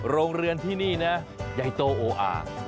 โรงเรือนที่นี่นะใหญ่โตโออา